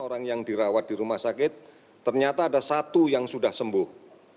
orang yang dirawat di rumah sakit ternyata ada satu yang sudah sembuh